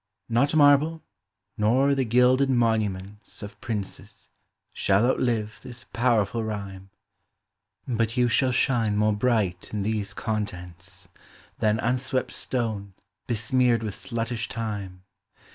Not marble, not the gilded monuments Of princes, shall outlive this powerful rhyme; Hut you shall shine more bright in these contents, Thau uuswept stone, besmeared with sluttish time.